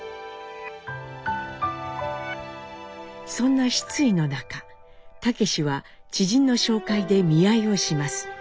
そんな失意の中武は知人の紹介で見合いをします。